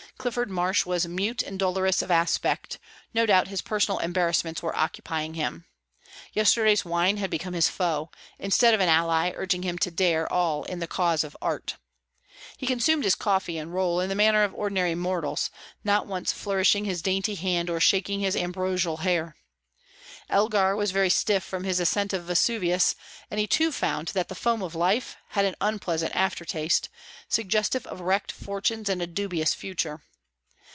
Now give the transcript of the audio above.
Clifford Marsh was mute and dolorous of aspect; no doubt his personal embarrassments were occupying him. Yesterday's wine had become his foe, instead of an ally urging him to dare all in the cause of "art." He consumed his coffee and roll in the manner of ordinary mortals, not once flourishing his dainty hand or shaking his ambrosial hair. Elgar was very stiff from his ascent of Vesuvius, and he too found that "the foam of life" had an unpleasant after taste, suggestive of wrecked fortunes and a dubious future.